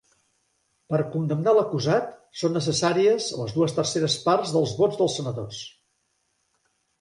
Per condemnar a l'acusat, són necessàries les dues terceres parts dels vots dels senadors.